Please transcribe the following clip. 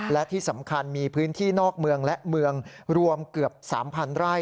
และที่สำคัญมีพื้นที่นอกเมืองและเมืองรวมเกือบ๓๐๐ไร่